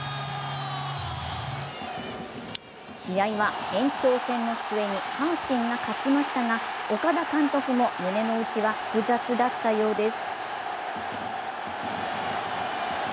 試合は延長戦の末に阪神が勝ちましたが岡田監督も胸の内は複雑だったようです。